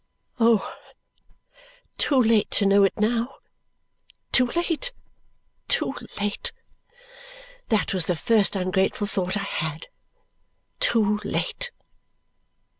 Oh, too late to know it now, too late, too late. That was the first ungrateful thought I had. Too late.